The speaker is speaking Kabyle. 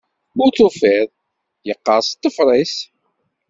Ur tufiḍ... yeqqers ṭṭfer-is.